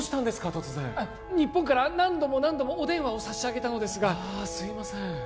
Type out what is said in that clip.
突然日本から何度も何度もお電話を差し上げたのですがああすいません